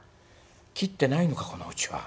切ってないのかこのうちは。